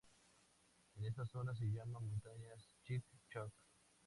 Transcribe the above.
En esta zona se llama montañas Chic-Choc.